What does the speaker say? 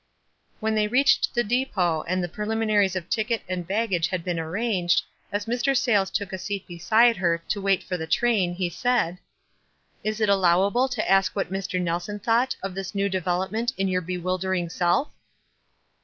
' When they reached the depot, and the pre liminaries of ticket and baggage had been ar ranged, as Mr. Sayles took a seat beside her, to wait for the train, he said, — "Is it allowable to ask what Mr. Nelson 19 290 WISE AND OTHERWISE. " thought of this new development in your be wildering self?"